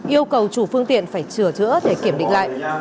yêu cầu chủ phương tiện phải trửa thửa để kiểm định lại